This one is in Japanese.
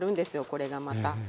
これがまた。